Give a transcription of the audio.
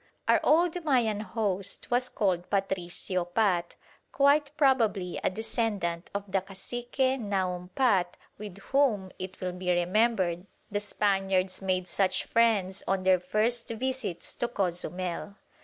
Our old Mayan host was called Patricio Pat, quite probably a descendant of the cacique Naum Pat with whom, it will be remembered, the Spaniards made such friends on their first visits to Cozumel.